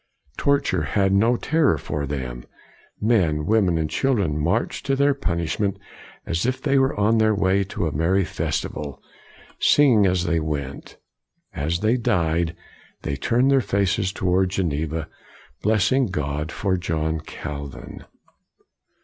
Torture had no terror for them. Men, women, and children marched to their punishment as if they were on their way to a merry festival, singing as they went. As they died, they turned their faces toward Geneva, blessing God for John Calvin.